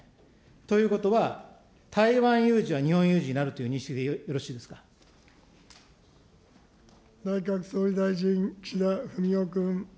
ということは、台湾有事は日本有事になるという認識でよろしいで内閣総理大臣、岸田文雄君。